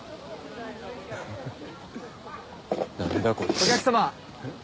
お客様。